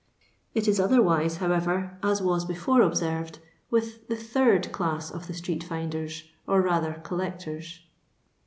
It is otherwise, however, as was before observed, with the third class of the street finders, or rather collectors.